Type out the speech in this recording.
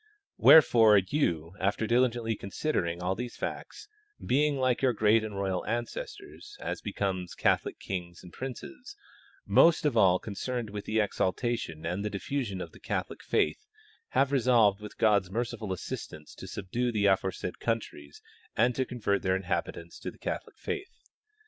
Wherefore you, after diligently considering all these facts, being, like your great and royal ancestors (as becomes Catholic kings and princes), most of all concerned with the exaltation and diffusion of the Catholic faith, have resolved with God's merci ful assistance to subdue the aforesaid countries and to convert their inhabitants to the Catholic faith.